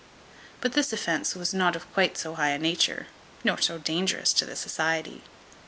But this offence was not of quite so high a nature, nor so dangerous to the society.